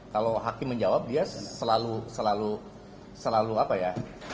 kalau hakim menjawab dia selalu selalu apa ya